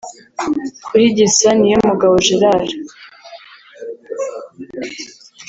Kurigisa Niyomugabo Gerard